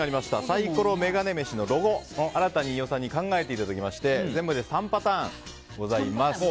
サイコロメガネ飯のロゴ新たに飯尾さんに考えていただきまして３パターンあります。